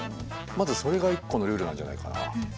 まずそれが一個のルールなんじゃないかな。